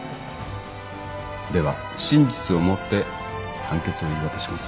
では真実を持って判決を言い渡します。